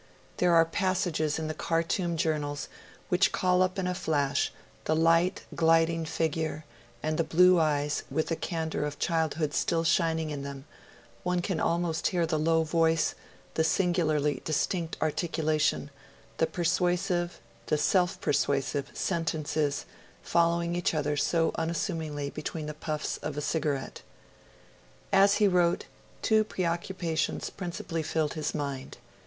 There are passages in the Khartoum Journals which call up in a flash the light, gliding figure, and the blue eyes with the candour of childhood still shining in them; one can almost hear the low voice, the singularly distinct articulation, the persuasive the self persuasive sentences, following each other so unassumingly between the puffs of a cigarette. As he wrote, two preoccupations principally filled his mind.